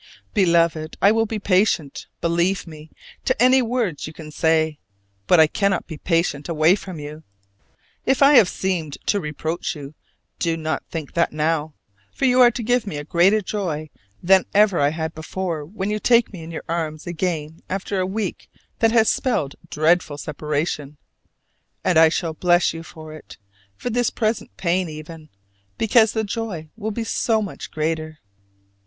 Beloved, I will be patient, believe me, to any words you can say: but I cannot be patient away from you. If I have seemed to reproach you, do not think that now. For you are to give me a greater joy than I ever had before when you take me in your arms again after a week that has spelled dreadful separation. And I shall bless you for it for this present pain even because the joy will be so much greater.